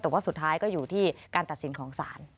แต่ว่าสุดท้ายก็อยู่ที่การตัดสินของศาล